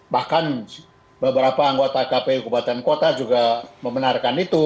bahkan beberapa anggota kpu kabupaten kota juga membenarkan itu